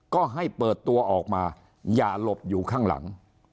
ก็ให้เปิดตัวออกมาอย่าหลบอยู่ข้างหลัง